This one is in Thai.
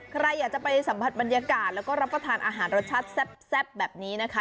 ใครอยากจะไปสัมผัสบรรยากาศแล้วก็รับประทานอาหารรสชาติแซ่บแบบนี้นะคะ